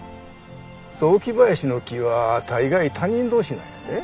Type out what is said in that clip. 雑木林の木は大概他人同士なんやで。